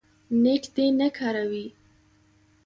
نېټ دې نه کاروي